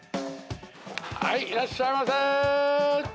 はい、いらっしゃいませ。